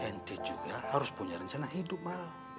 ente juga harus punya rencana hidup ma